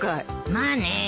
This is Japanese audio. まあね。